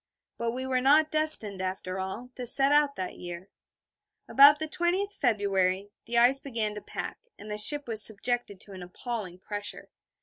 But we were not destined, after all, to set out that year. About the 20th February, the ice began to pack, and the ship was subjected to an appalling pressure.